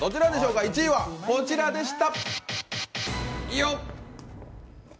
１位はこちらでした！